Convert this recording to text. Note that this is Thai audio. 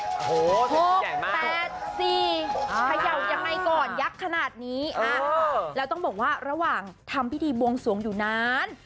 ๖๘๔เขย่ายังไงก่อนยักษ์ขนาดนี้แล้วต้องบอกว่าระหว่างทำพิธีบวงสวงอยู่นาน